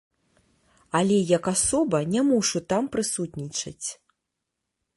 Але як асоба не мушу там прысутнічаць.